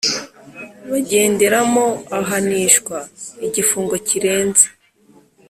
bagenderamo ahanishwa igifungo kirenze